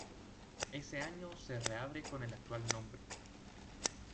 Ese año se reabre con el actual nombre.